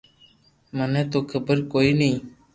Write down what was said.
مني تو خبر ڪوئي ني